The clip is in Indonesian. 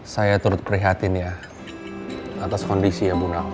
saya turut prihatin ya atas kondisi ya bu nao